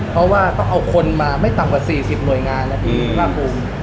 เพราะว่าต้องเอาคนมาไม่ต่ำกว่า๔๐หน่วยงานนะพี่ภาคภูมิ